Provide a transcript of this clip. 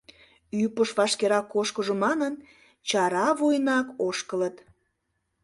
Ӱпышт вашкерак кошкыжо манын, чара вуйынак ошкылыт.